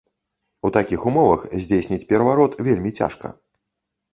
У такіх умовах здзейсніць пераварот вельмі цяжка.